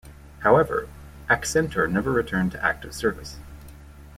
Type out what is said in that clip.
However, "Accentor" never returned to active service.